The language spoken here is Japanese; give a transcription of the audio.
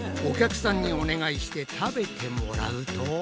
お客さんにお願いして食べてもらうと。